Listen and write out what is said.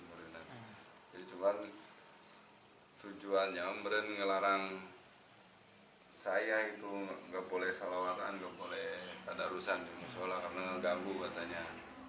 jadi cuma tujuannya om beren ngelarang saya itu gak boleh solawatan gak boleh tadarusan musola karena ganggu katanya